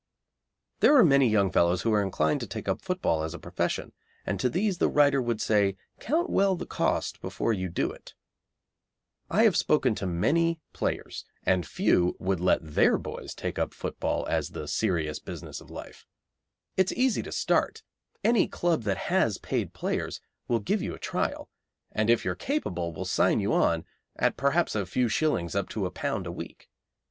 There are many young fellows who are inclined to take up football as a profession, and to these the writer would say, "Count well the cost before you do it." I have spoken to many players, and few would let their boys take football up as the serious business of life. It is easy to start; any club that has paid players will give you a trial, and if you are capable will sign you on at perhaps a few shillings up to a pound a week.